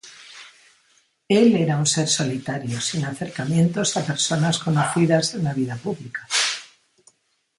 Él era un ser solitario, sin acercamientos a personas conocidas en la vida pública.